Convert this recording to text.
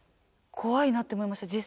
怖いなって思いました。